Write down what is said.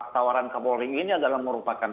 tawaran kapolri ini adalah merupakan